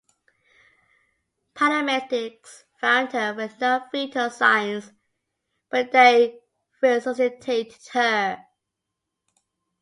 Paramedics found her with no vital signs, but they resuscitated her.